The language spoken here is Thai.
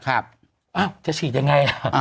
อ้าวจะฉีดยังไง